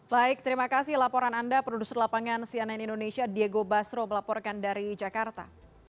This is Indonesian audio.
baik terima kasih laporan anda produser lapangan cnn indonesia diego basro melaporkan dari jakarta